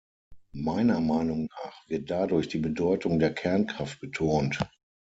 Meiner Meinung nach wird dadurch die Bedeutung der Kernkraft betont.